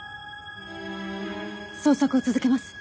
捜索を続けます。